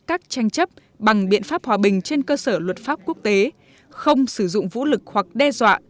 các tranh chấp bằng biện pháp hòa bình trên cơ sở luật pháp quốc tế không sử dụng vũ lực hoặc đe dọa